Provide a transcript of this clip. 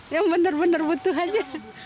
yang benar benar butuh aja